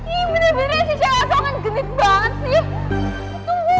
itu kan panger